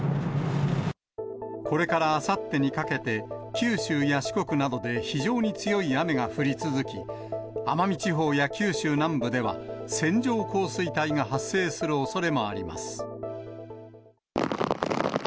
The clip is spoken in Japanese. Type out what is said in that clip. これからあさってにかけて、九州や四国などで非常に強い雨が降り続き、奄美地方や九州南部では、線状降水帯が発生するおそれもあります。